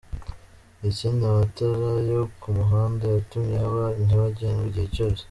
Ikindi amatara yo kumuhanda yatumye haba nyabagendwa igihe cyose.